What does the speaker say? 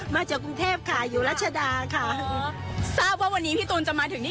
มาจากกรุงเทพค่ะอยู่รัชดาค่ะทราบว่าวันนี้พี่ตูนจะมาถึงนี่